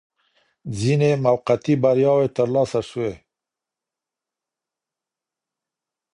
ځيني موقتي بریاوي ترلاسه سوې